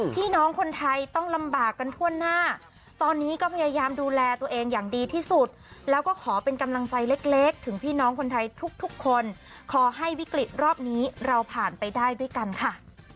พี่น้องคนไทยต้องลำบากกันทั่วหน้าตอนนี้ก็พยายามดูแลตัวเองอย่างดีที่สุดแล้วก็ขอเป็นกำลังใจเล็กถึงพี่น้องคนไทยทุกคนขอให้วิกฤตรอบนี้เราผ่านไปได้ด้วยกันค่ะ